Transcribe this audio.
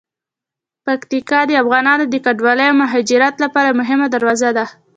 پکتیکا د افغانانو د کډوالۍ او مهاجرت لپاره یوه مهمه دروازه ده.